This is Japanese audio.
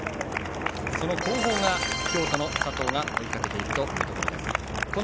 その後方が京都の佐藤が追いかけているというところ。